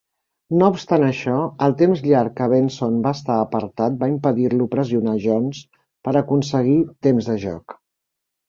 No obstant això, el temps llarg que Benson va estar apartat va impedir-lo pressionar Jones per aconseguir temps de joc.